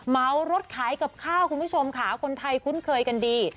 เมารถขายกับข้าวคุณผู้ชมค่ะคนไทยคุ้นเคยกันดี